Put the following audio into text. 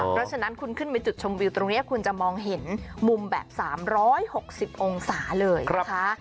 เพราะฉะนั้นคุณขึ้นไปจุดชมวิวตรงนี้คุณจะมองเห็นมุมแบบ๓๖๐องศาเลยนะคะ